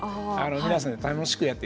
皆さん、楽しく食べて。